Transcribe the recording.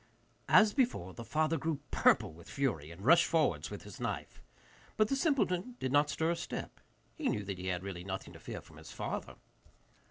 As before, the father grew purple with fury, and rushed forwards with his knife. But the simpleton did not stir a step; he knew that he had really nothing to fear from his father.